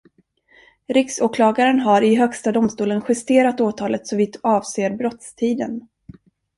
Riksåklagaren har i Högsta domstolen justerat åtalet såvitt avser brottstiden.